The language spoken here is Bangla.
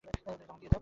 ওরে, তামাক দিয়ে যা।